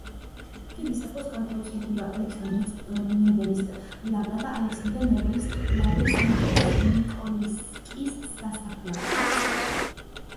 ხიდის ახლოს განთავსებულია ალექსანდრე ნეველის ლავრა და ალექსანდრე ნეველის ლავრის ნიკოლსკის სასაფლაო.